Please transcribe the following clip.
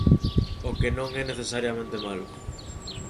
O que non é necesariamente malo.